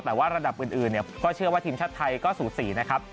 แต่ว่าระดับอื่นก็เชื่อว่าทีมชาติไทยก็สูสีนะครับ